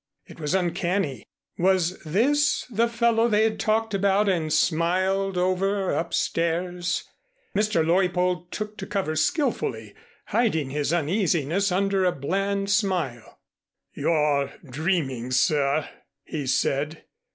It was uncanny. Was this the fellow they had talked about and smiled over upstairs? Mr. Leuppold took to cover skillfully, hiding his uneasiness under a bland smile. "You're dreaming, sir," he said.